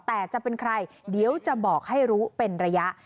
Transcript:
แต่จะเป็นใครเดี๋ยวจะบอกให้รู้เป็นระยะ